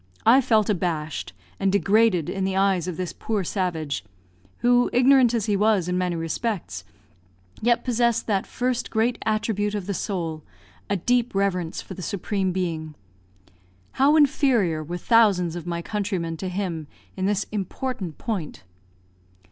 I felt abashed, and degraded in the eyes of this poor savage who, ignorant as he was in many respects, yet possessed that first great attribute of the soul, a deep reverence for the Supreme Being. How inferior were thousands of my countrymen to him in this important point.